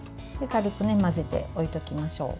軽く混ぜて置いておきましょう。